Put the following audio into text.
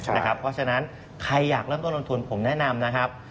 เพราะฉะนั้นใครอยากเริ่มต้นลงทุนผมแนะนำนะครับ